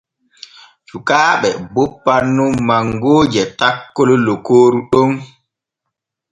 Cukaaɓe boppan nun mangooje takkol lokooru ɗon.